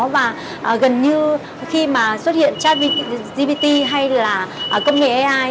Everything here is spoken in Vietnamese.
và gần như khi mà xuất hiện trav gpt hay là công nghệ ai